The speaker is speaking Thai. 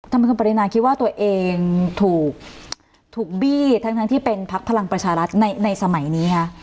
ทำไมคุณปรินาคิดว่าตัวเองถูกบี้ทั้งที่เป็นพักพลังประชารัฐในสมัยนี้คะ